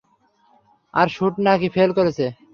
আর শুটু নাকি ফেল করেছে।